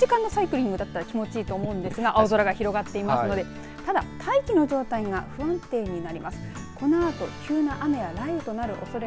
今のサイクリングこの時間のサイクリングだったら気持ちいいんだと思いますが青空が広がっているので、ただ大気の状態が不安定になります。